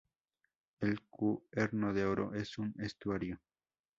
El Cuerno de Oro es un estuario.